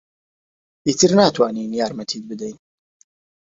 ئیتر ناتوانین یارمەتیت بدەین.